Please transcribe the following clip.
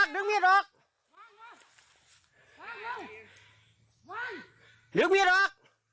ลืมมีดออกก่อนลืมมีดออก